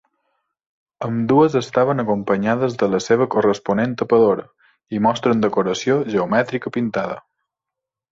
Ambdues estaven acompanyades de la seva corresponent tapadora i mostren decoració geomètrica pintada.